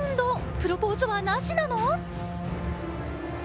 プロポーズはなしなの？